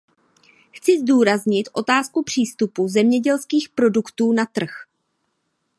Chci zdůraznit otázku přístupu zemědělských produktů na trh.